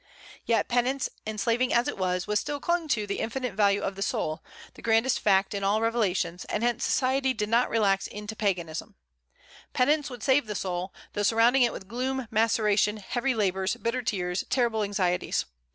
Yet penance, enslaving as it was, still clung to the infinite value of the soul, the grandest fact in all revelations, and hence society did not relax into Paganism. Penance would save the soul, though surrounding it with gloom, maceration, heavy labors, bitter tears, terrible anxieties.